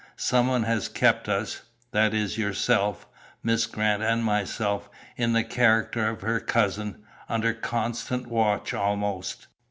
Some one has kept us that is, yourself, Miss Grant and myself, in the character of her cousin under constant watch, almost.